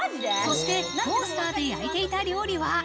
そして、トースターで焼いていた料理は。